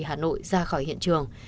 hà nội ra khỏi hiện trường